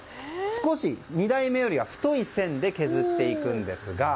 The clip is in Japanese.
少し２代目よりは太い線で削っていくんですが。